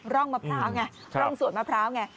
ร่องสวนมะพร้าวไง